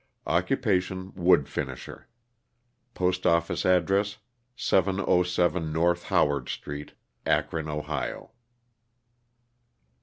Occupation, wood finisher. Postoffice address, 707 North Howard Street, Akron, Ohio.